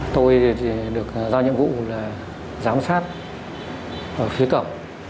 tôi được do nhiệm vụ giám sát ở phía cầu